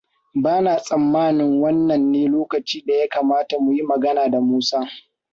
Bana tsammanin wannan ne lokacin da ya kamata mu yi magana da Musa.